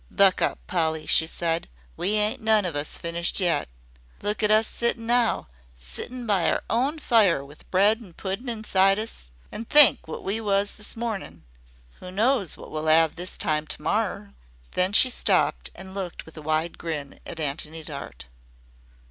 "Buck up, Polly," she said, "we ain't none of us finished yet. Look at us now sittin' by our own fire with bread and puddin' inside us an' think wot we was this mornin'. Who knows wot we'll 'ave this time to morrer." Then she stopped and looked with a wide grin at Antony Dart.